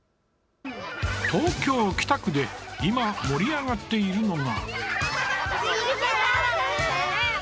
東京・北区で今、盛り上がっているのが。